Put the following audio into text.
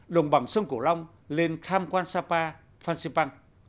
đồng bằng sông cổ long lên tham quan sapa phan xipan